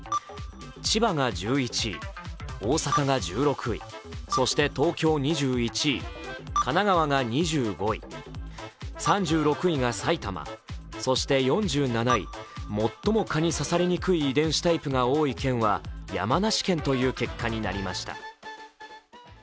千葉が１１位、大阪が１６位、そして東京２１位、神奈川が２５位、３６位が埼玉、そして４７位、最も蚊に刺されにくい遺伝子タイプが多い県は山梨県という結果になりました。